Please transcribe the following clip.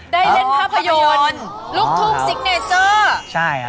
ได้เล่นภาพยนตร์ภาพยนตร์ลูกทูปซิกเนเจอร์ใช่ครับ